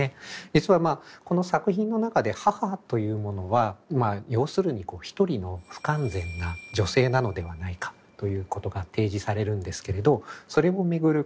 実はこの作品の中で母というものは要するにひとりの不完全な女性なのではないかということが提示されるんですけれどそれを巡る